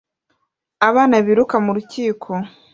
Abana biruka mu rukiko